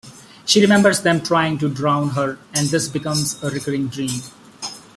She remembers them trying to drown her, and this becomes a recurring dream.